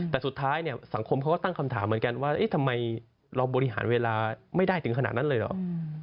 แต่สุดท้ายเนี่ยสังคมเขาก็ตั้งคำถามเหมือนกันว่าทำไมเราบริหารเวลาไม่ได้ถึงขนาดนั้นเลยเหรอ